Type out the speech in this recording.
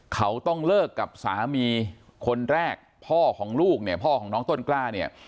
เขาต้องเลิกกับสามีคนแรกพ่อของลูกเนี่ยพ่อของน้องต้นกล้าเนี่ย